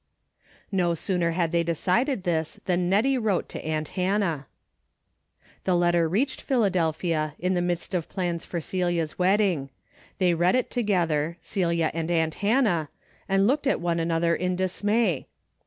'No sooner had they decided this than I^ettie wrote to aunt Hannah. The letter reached Philadelphia in the midst of plans for Celia's wedding. They read it to gether, Celia and aunt Hannah, and looked at one another in dismay.